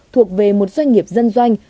thuộc về một doanh nghiệp dân doanh